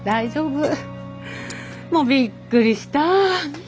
もうびっくりした。